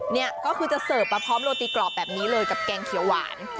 นี่ก็คือจะเสิร์ฟมาพร้อมโรตีกรอบแบบนี้เลยกับแกงเขียวหวาน